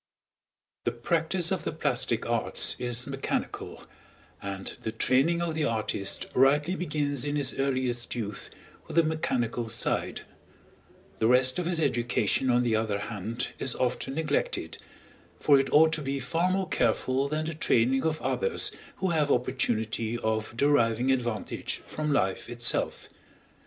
The practice of the plastic arts is mechanical, and the training of the artist rightly begins in his earliest youth with the mechanical side; the rest of his education, on the other hand, is often neglected, for it ought to be far more careful than the training of others who have opportunity of deriving advantage from life itself.